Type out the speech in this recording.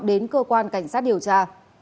đến cơ quan cảnh sát điều tra